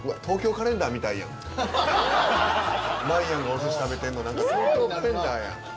まいやんがお寿司食べてるの『東京カレンダー』やん。